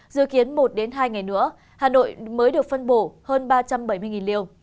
dự kiến một hai ngày nữa hà nội mới được phân bổ hơn ba trăm bảy mươi liều